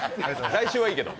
来週はいいけど。